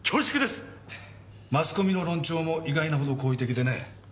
マスコミの論調も意外なほど好意的でね。